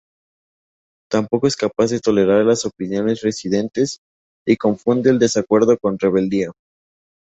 Tampoco es capaz de tolerar las opiniones disidentes y confunde el desacuerdo con rebeldía.